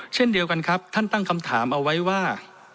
เช่นเดียวกันครับท่านตั้งคำถามเอาไว้ว่า